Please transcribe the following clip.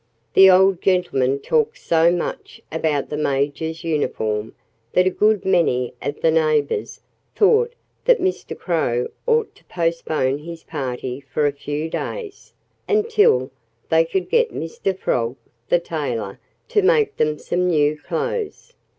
The old gentleman talked so much about the Major's uniform that a good many of the neighbors thought that Mr. Crow ought to postpone his party for a few days, until they could get Mr. Frog, the tailor, to make them some new clothes.